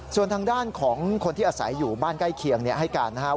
ส่วนทางด้านของคนที่อาศัยอยู่บ้านใกล้เคียงให้การนะครับ